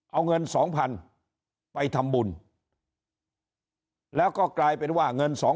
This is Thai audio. เอาเงิน๒๐๐๐ไปทำบุญแล้วก็กลายเป็นว่าเงิน๒๐๐